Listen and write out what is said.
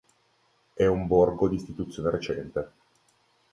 È un borgo di istituzione recente.